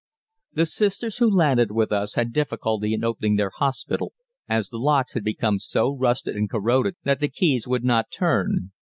The "sisters" who landed with us had difficulty in opening their hospital, as the locks had become so rusted and corroded that the keys would not turn.